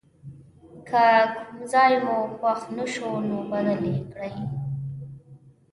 که کوم ځای مو خوښ نه شو نو بدل یې کړئ.